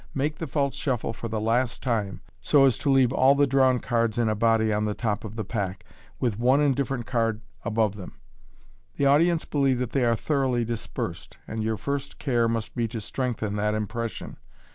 Make the false shuffle for the last time, so as to leave all the drawn cards in a body on the top of the pack, with one indifferent card above them. The audience believe that they are thoroughly dispersed, and your first care must be to strengthen that impression.